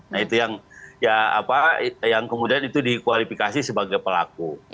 nah itu yang kemudian itu dikualifikasi sebagai pelaku